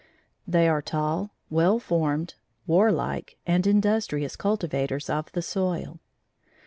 They are tall, well formed, warlike and industrious cultivators of the soil.